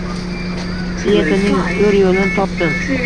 Dietaning zo'r yo'lini topdim